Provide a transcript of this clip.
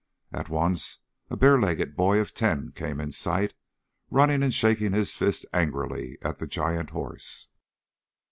At once a bare legged boy of ten came in sight, running and shaking his fist angrily at the giant horse.